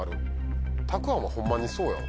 たくあんはホンマにそうやわ。